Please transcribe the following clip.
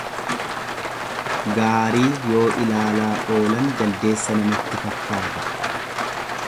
Gaarii yoo ilaalaa oolan jaldeessa namatti fakkaata.